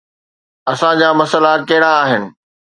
اسان جا مسئلا ڪهڙا آهن؟